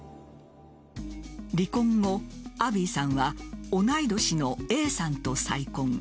離婚後、アビーさんは同い年のＡさんと再婚。